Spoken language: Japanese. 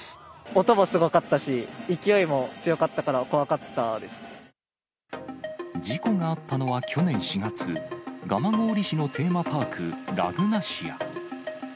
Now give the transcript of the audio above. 音もすごかったし、勢いも強事故があったのは去年４月、蒲郡市のテーマパーク、ラグナシア。